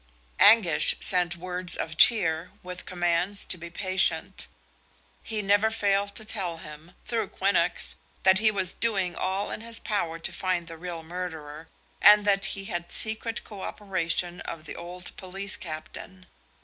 Anguish sent words of cheer, with commands to be patient. He never failed to tell him, through Quinnox, that he was doing all in his power to find the real murderer and that he had the secret co operation of the old police captain.